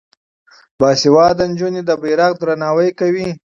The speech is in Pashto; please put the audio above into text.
باسواده نجونې د بیرغ درناوی کوي.